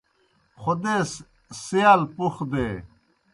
خودیس سِیال پُخ دے۔